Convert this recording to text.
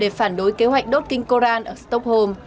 để phản đối kế hoạch đốt kinh koran ở stockholm